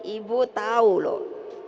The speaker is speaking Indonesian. ibu tahu loh